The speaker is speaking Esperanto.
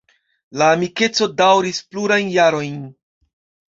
La amikeco daŭris plurajn jarojn.